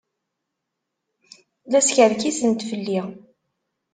La skerkisent fell-i.